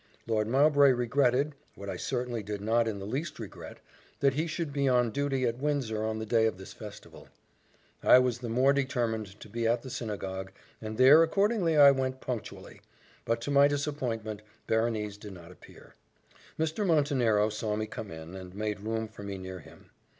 Lord Mowbray regretted, what I certainly did not in the least regret, that he should be on duty at Windsor on the day of this festival. I was the more determined to be at the synagogue, and there accordingly I went punctually; but, to my disappointment, Berenice did not appear. Mr. Montenero saw me come in, and made room for me near him.